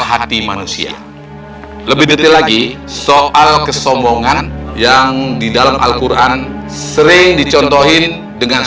hati manusia lebih detail lagi soal kesombongan yang di dalam al quran sering dicontohin dengan